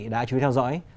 đã chú ý theo dõi